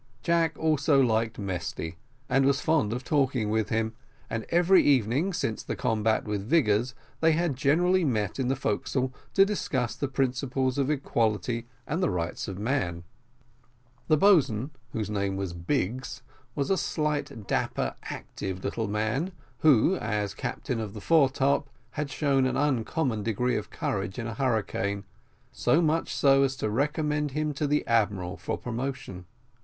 Jack also liked Mesty, and was fond of talking with him, and every evening, since the combat with Vigors, they had generally met in the forecastle to discuss the principles of equality and the rights of man. The boatswain, whose name was Biggs, was a slight, dapper, active little man, who, as captain of the foretop, had shown an uncommon degree of courage in a hurricane, so much so, as to recommend him to the admiral for promotion.